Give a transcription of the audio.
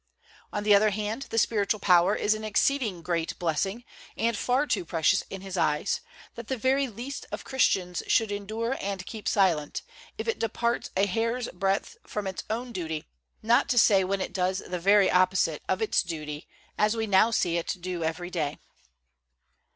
On the other hand, the spiritual power is an exceeding great blessing, and far too precious in His eyes, that the very least of Christians should endure and keep silent, if it departs a hair's breadth from its own duty, not to say when it does the very opposite of its duty, as we now see it do every day.